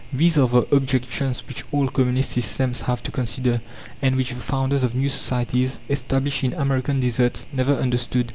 These are the objections which all communist systems have to consider, and which the founders of new societies, established in American deserts, never understood.